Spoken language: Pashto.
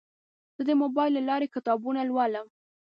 زه د موبایل له لارې کتابونه لولم.